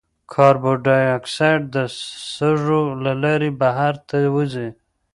کاربن ډای اکساید د سږو له لارې بهر ته وځي.